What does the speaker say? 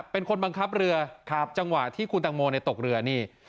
เป็นคนบังคับเรือจังหวะที่คุณตังโมตกเรือนี่